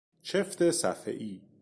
چفت صفحهای